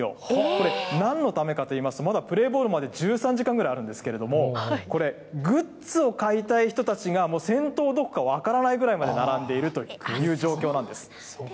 これ、なんのためかといいますと、まだプレーボールまで１３時間ぐらいあるんですけれども、これ、グッズを買いたい人たちが、もう先頭がどこか分からないぐらいまで並んでいるという状況なんです。